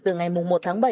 từ ngày một tháng bảy